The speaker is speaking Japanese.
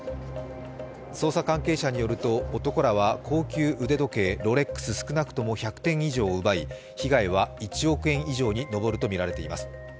捜査関係者によると、男らは高級腕時計、ロレックス少なくとも１００点以上を奪い被害は１億円以上にのぼるとみられています。